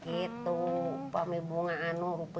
itu apa itu bunga rupiah